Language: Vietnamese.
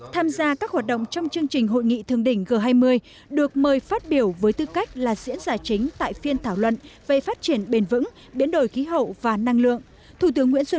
tham gia các hoạt động trong chương trình hội nghị thường đỉnh g hai mươi được mời phát biểu với tư cách là diễn giải chính tại phiên thảo luận về phát triển bền vững biến đổi khí hậu và năng lượng